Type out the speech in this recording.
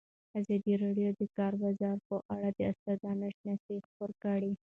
ازادي راډیو د د کار بازار په اړه د استادانو شننې خپرې کړي.